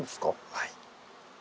はい。